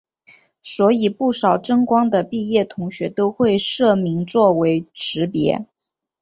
所以不少真光的毕业同学都会社名作为识别。